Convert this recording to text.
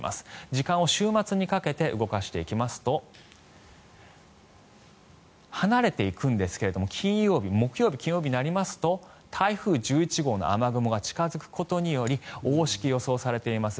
時間を週末にかけて動かしていきますと離れていくんですが木曜日、金曜日になりますと台風１１号の雨雲が近付くことにより大しけが予想されています。